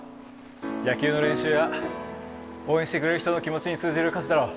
野球の練習や応援してくれる人の気持ちに通じる歌詞だろ？